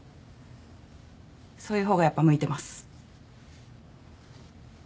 そういう方がやっぱ向いてます。